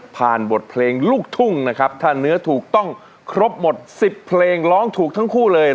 บทเพลงลูกทุ่งนะครับถ้าเนื้อถูกต้องครบหมด๑๐เพลงร้องถูกทั้งคู่เลย